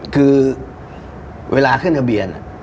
คือเวลาขึ้นทะเบียน